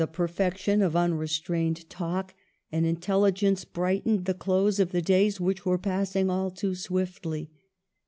perfection of unrestrained talk and intelligence brightened the close of the days which were passing all too swiftly.